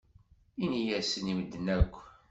Ini-asen i medden akk.